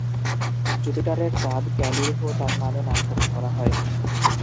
জুপিটারের চাঁদ ক্যালিরহো তার নামে নামকরণ করা হয়।